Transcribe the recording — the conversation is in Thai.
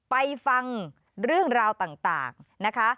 ฟังเรื่องราวต่างนะคะ